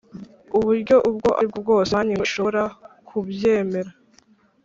Uburyo ubwo aribwo bwose Banki Nkuru ishobora kubwemera